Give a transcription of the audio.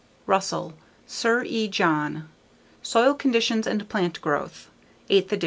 Russell, Sir E. John. Soil Conditions and Plant Growth. Eighth Ed.